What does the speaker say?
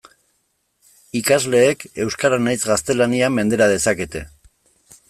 Ikasleek euskara nahiz gaztelania mendera dezakete.